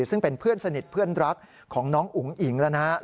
ซึ่งเป็นเพื่อนสนิทเพื่อนรักของน้องอุ๋งอิ๋งแล้วนะครับ